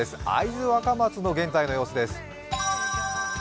会津若松の現在の様子です。